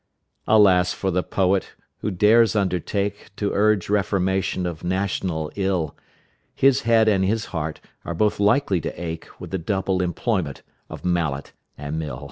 Alas for the Poet, who dares undertake To urge reformation of national ill! His head and his heart are both likely to ache With the double employment of mallet and mill.